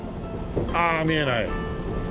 ああ見えない。